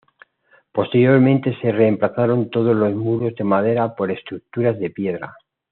Posteriormente se reemplazaron todos los muros de madera por estructuras de piedra.